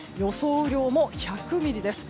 雨量も１００ミリです。